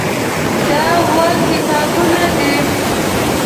دا اووه کتابونه دي.